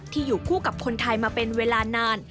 อยู่คู่กับคนไทยมาเป็นเวลานาน